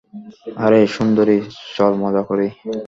আরে, সুন্দরী, চল মজা করি।